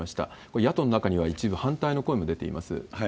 これ、野党の中には一部反対の声も出ています。